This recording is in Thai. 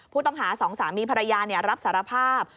ผู้ต้องหาสองสามีภรรยารับสารภาพ